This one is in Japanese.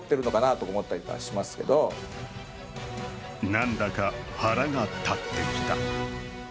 なんだか腹が立ってきた。